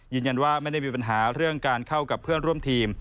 ยืนยันว่าไม่ได้มีปัญหาเรื่องการเข้ากับเพื่อนร่วมทีม